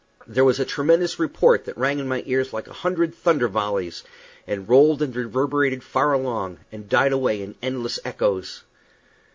There was a tremendous report, that rang in my ears like a hundred thunder volleys, and rolled and reverberated far along, and died away in endless echoes.